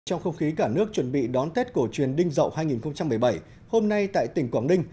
trong không khí cả nước chuẩn bị đón tết cổ truyền đinh dậu hai nghìn một mươi bảy hôm nay tại tỉnh quảng ninh